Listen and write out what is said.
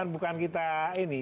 bukan kita ini